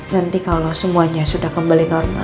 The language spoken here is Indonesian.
nanti kalau semuanya sudah kembali normal